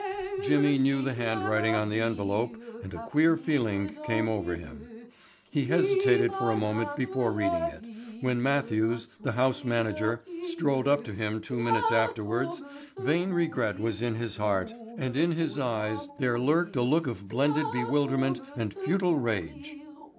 Jimmy knew the handwriting on the envelope and a queer feeling came over him. He hesitated for a moment before reading it. When Matthews, the house manager, strolled up to him two minutes afterwards vain regret was in his heart and in his eyes there lurked a look of blended bewilderment and futile rage.